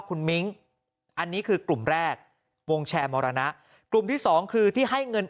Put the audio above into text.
คุณมิ้งอันนี้คือกลุ่มแรกวงแชร์มรณะกลุ่มที่สองคือที่ให้เงิน